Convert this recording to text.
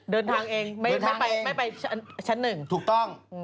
เดินทางเองไม่ไปชั้นหนึ่งถูกต้อง